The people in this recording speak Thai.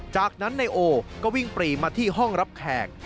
จากนั้นนายโอก็วิ่งปรีมาที่ห้องรับแขก